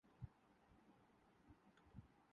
Usain bolt نے football کی دنیا میں قدم رکھ دیا